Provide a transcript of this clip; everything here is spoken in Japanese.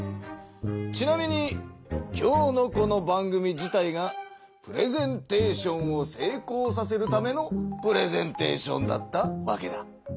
ちなみに今日のこの番組自体がプレゼンテーションをせいこうさせるためのプレゼンテーションだったわけだ。